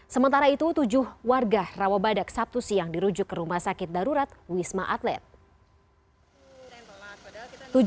sementara itu tujuh warga rawabadak sabtu siang dirujuk ke rumah sakit darurat wisma atlet